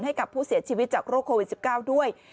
ให้กับผู้เสียชีวิตจากโรคโควิด๑๙ด้วย